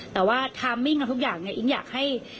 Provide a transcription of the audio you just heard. แต่ว่าทามมิ่งกับทุกอย่างเนี่ยอิ๊งอยากให้